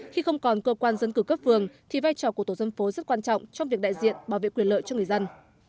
khi không còn cơ quan dân cử cấp vườn thì vai trò của tổ dân phố rất quan trọng trong việc đại diện bảo vệ quyền lợi cho người dân